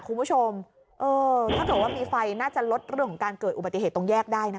คุณผู้ชมเออถ้าเกิดว่ามีไฟน่าจะลดเรื่องของการเกิดอุบัติเหตุตรงแยกได้นะคะ